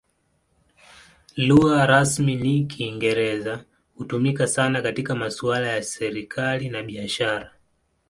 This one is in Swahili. Lugha rasmi ni Kiingereza; hutumika sana katika masuala ya serikali na biashara.